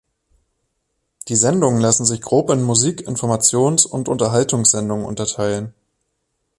Die Sendungen lassen sich grob in Musik-, Informations- und Unterhaltungssendungen unterteilen.